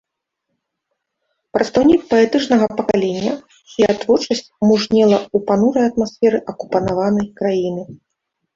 Прадстаўнік паэтычнага пакалення, чыя творчасць мужнела ў панурай атмасферы акупаванай краіны.